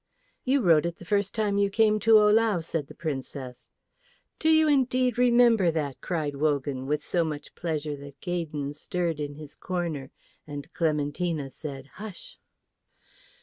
"You rode it the first time you came to Ohlau," said the Princess. "Do you indeed remember that?" cried Wogan, with so much pleasure that Gaydon stirred in his corner, and Clementina said, "Hush!"